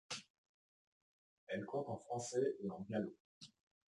Elle conte en français et en gallo.